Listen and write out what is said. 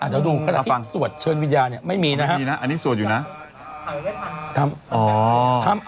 เหมือนมีคุณมาบิดแตร